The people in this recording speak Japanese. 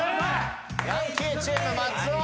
ヤンキーチーム松尾。